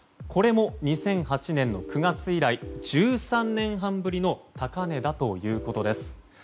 これも２００８年の９月以来１３年半ぶりの高値だということです。